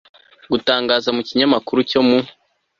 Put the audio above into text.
gutangaza mu kinyamakuru cyo mu